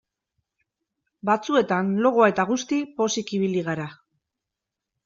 Batzuetan logoa eta guzti pozik ibili gara.